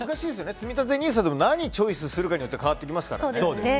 つみたてＮＩＳＡでも何をチョイスするかによっても変わってきますからね。